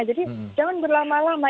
jadi jangan berlama lama